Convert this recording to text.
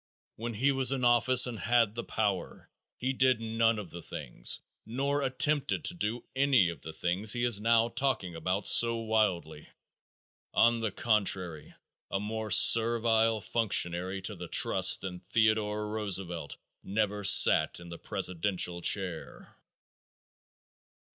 When he was in office and had the power, he did none of the things, nor attempted to do any of the things he is now talking about so wildly. On the contrary, a more servile functionary to the trusts than Theodore Roosevelt never sat in the presidential chair.